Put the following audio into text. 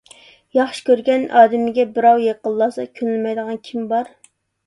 ياخشى كۆرگەن ئادىمىگە بىراۋ يېقىنلاشسا كۈنلىمەيدىغان كىم بار؟